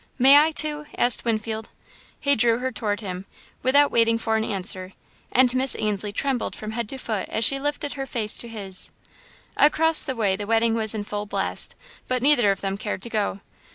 "May I, too?" asked Winfield. He drew her toward him, without waiting for an answer, and Miss Ainslie trembled from head to foot as she lifted her face to his. Across the way the wedding was in full blast, but neither of them cared to go.